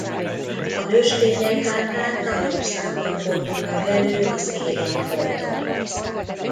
A nőstények hátán nagyobb számban fordulnak elő az élénk foltok.